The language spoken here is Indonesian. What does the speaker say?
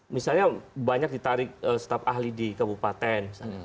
misalnya banyak ditarik staf ahli di kabupaten